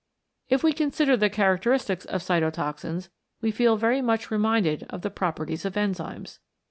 If we consider the characteristics of cyto toxins we feel very much reminded of the proper ties of enzymes.